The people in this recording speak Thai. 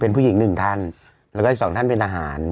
เป็นผู้หญิงหนึ่งท่านแล้วก็อีกสองท่านเป็นทหาร